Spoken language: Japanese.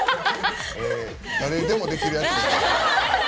誰でもできるやつ。